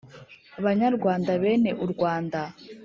banyarwanda bene u rwanda